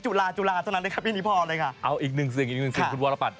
จุฬาจุฬาเท่านั้นนะครับอีกนึงสิ่งอีกนึงสิ่งอีกนึงสิ่งคุณวอลละปัด